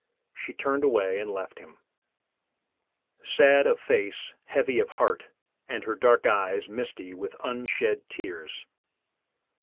"She turned away and left him, sad of face, heavy of heart, and her dark eyes misty with unshed tears.